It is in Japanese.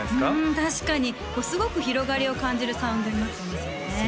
確かにすごく広がりを感じるサウンドになってますよね